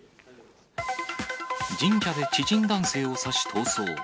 神社で知人男性を刺し逃走。